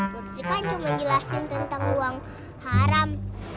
putri kan cuma jelasin tentang uang haram